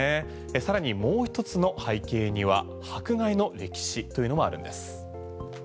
さらにもう一つの背景には迫害の歴史というのもあるんです。